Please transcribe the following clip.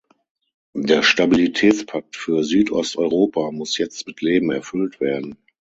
Der Stabilitätspakt für Südosteuropa muss jetzt mit Leben erfüllt werden.